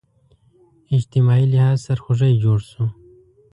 اجتماعي لحاظ سرخوږی جوړ شو